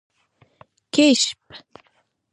🐢 کېشپ